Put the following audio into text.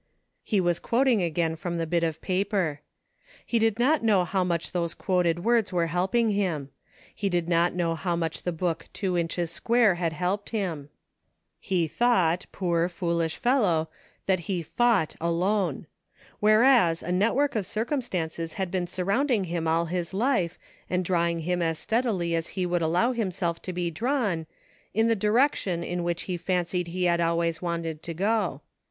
He was quoting again from the bit of paper. He did not know how much those quoted words were helping him ; he did not know how much the book two inches square had helped him ; he thought, poor, foolish fellow, that he "fought" alone ; whereas a network of circumstances had been surrounding him all his life, and drawing him as steadily as he would allow himself to be drawn, in the direction in which he fancied he had always wanted to go.